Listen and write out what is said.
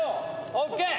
ＯＫ！